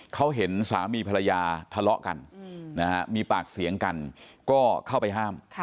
เขาเห็นสามีภรรยาทะเลาะกันมีปากเสียงกันก็เข้าไปห้าม